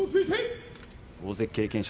大関経験者